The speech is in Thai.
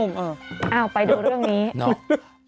น้อไปดูเรื่องนี้